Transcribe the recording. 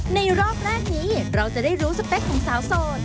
รอบแรกนี้เราจะได้รู้สเปคของสาวโสด